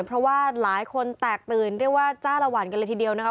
เพราะว่าหลายคนแตกตื่นเรียกว่าจ้าละวันกันเลยทีเดียวนะครับ